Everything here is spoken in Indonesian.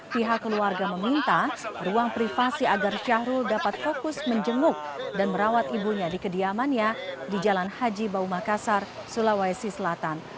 pihak keluarga meminta ruang privasi agar syahrul dapat fokus menjenguk dan merawat ibunya di kediamannya di jalan haji bau makassar sulawesi selatan